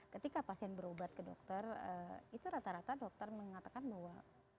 ketika pasien berobat ke dokter itu rata rata dokter mengatakan bahwa